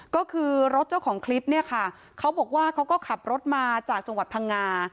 ก็คือรถเจ้าของคลิปเนี่ยค่ะเขาบอกว่าเขาก็ขับรถมาจากจังหวัดพังงา